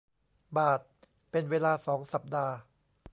บาทเป็นเวลา สอง สัปดาห์